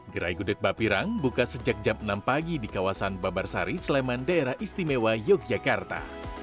gerai gudeg bapirang buka sejak jam enam pagi di kawasan babarsari sleman daerah istimewa yogyakarta